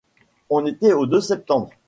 On était au deux septembre.